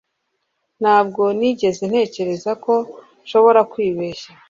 Ntabwo nigeze ntekereza ko nshobora kwibeshya.